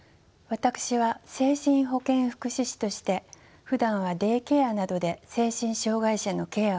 私は精神保健福祉士としてふだんはデイケアなどで精神障がい者のケアを行う仕事をしています。